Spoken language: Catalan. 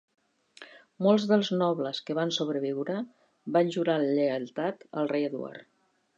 Molts dels nobles que van sobreviure, van jurar lleialtat al rei Eduard.